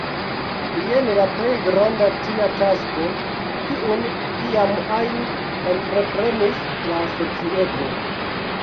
Jen la plej granda tia tasko, kiun iam ajn entreprenis la societo.